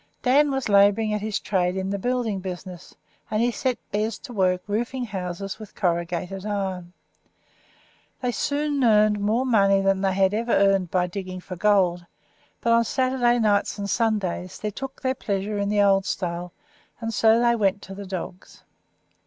Dan was labouring at his trade in the building business, and he set Bez to work roofing houses with corrugated iron. They soon earned more money than they had ever earned by digging for gold, but on Saturday nights and Sundays they took their pleasure in the old style, and so they went to the dogs.